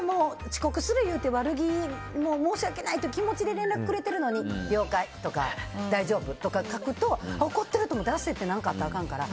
遅刻するって申し訳ないっていう気持ちで連絡くれてるのに了解とか、大丈夫って書くと怒ってる！と思って焦って何かあったらあかんから。